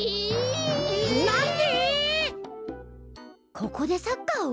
ここでサッカーを？